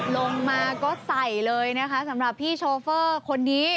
ลงมาก็ใส่เลยนะคะสำหรับพี่โชเฟอร์คนนี้